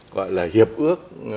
gọi là hiệp ước